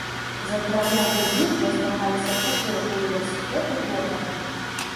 За перамогу ў бітве змагаліся чатыры ўніверсітэты горада.